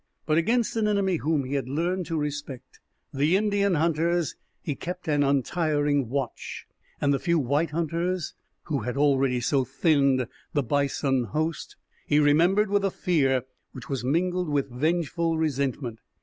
But against an enemy whom he had learned to respect, the Indian hunters, he kept an untiring watch, and the few white hunters, who had already so thinned the bison host, he remembered with a fear which was mingled with vengeful resentment.